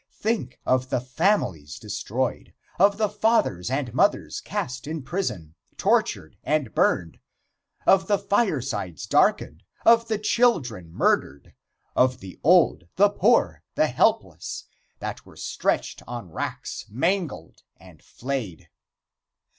Think of the families destroyed, of the fathers and mothers cast in prison, tortured and burned, of the firesides darkened, of the children murdered, of the old, the poor and helpless that were stretched on racks mangled and flayed!